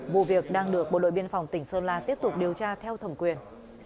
vụ việc đang được bộ đội biên phòng tỉnh sơn la tiếp tục điều tra theo thẩm quyền